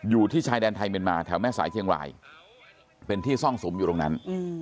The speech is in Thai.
อยู่ที่ชายแดนไทยเมียนมาแถวแม่สายเชียงรายเป็นที่ซ่องสุมอยู่ตรงนั้น